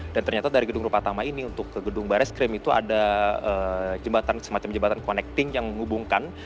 dan ternyata dari gedung rupa tama ini untuk ke gedung baras krim itu ada jembatan semacam jembatan connecting yang mengubah